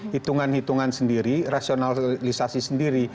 hitungan hitungan sendiri rasionalisasi sendiri